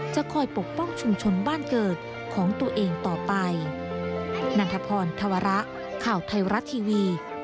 จะคอยปกป้องชุมชนบ้านเกิดของตัวเองต่อไป